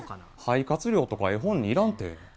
肺活量とか絵本にいらんて。